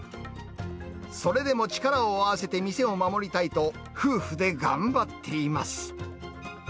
それでも力を合わせて店を守りたいと、夫婦で頑張っています。